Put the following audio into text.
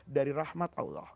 dari rahmat allah